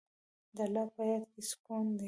د الله په یاد کې سکون دی.